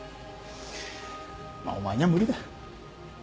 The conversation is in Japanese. まあお前には無理だ。